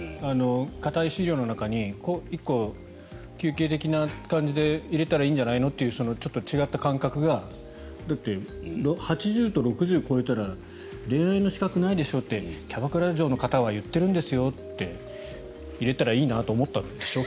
固い資料の中に１個、休憩的な感じで入れたらいいんじゃないのというちょっと違った感覚が８０と６０を超えたら恋愛の資格ないでしょってキャバクラ嬢の方は言ってるんですよって入れたらいいなって思ったんでしょ、